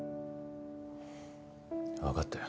わかったよ。